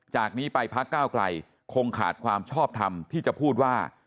จากนี้ไปพักก้าวไกลคงขาดความชอบทำที่จะพูดว่า